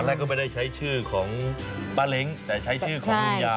แรกก็ไม่ได้ใช้ชื่อของป้าเล้งแต่ใช้ชื่อของลุงยา